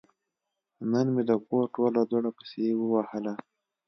نن مې د کور ټوله دوړه پسې ووهله.